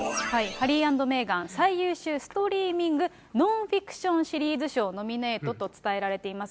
ハリー＆メーガン、最優秀ストリーミングノンフィクションシリーズ賞ノミネートと伝えられています。